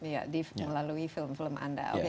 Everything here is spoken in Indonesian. ya melalui film film anda